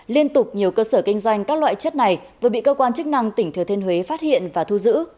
liên tục nhiều cơ sở kinh doanh các loại chất này vừa bị cơ quan chức năng tỉnh thừa thiên huế phát hiện và thu giữ